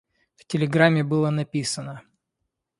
В телеграмме было написано: